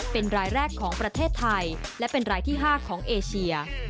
เป็นรายแรกของประเทศไทยและเป็นรายที่๕ของเอเชีย